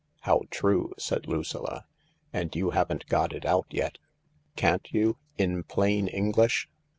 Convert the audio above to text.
" How true !" said Lucilla. " And you haven't got it out yet. Can't you? In plain English?"